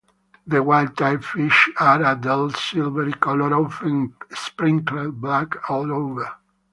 The wild-type fish are a dull silvery color, often sprinkled black all over.